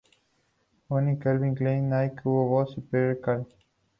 Penney", "Calvin Klein", "Nike", "Hugo Boss" y "Pierre Cardin".